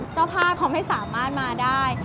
เจ้าภาพเขาไม่สามารถมาได้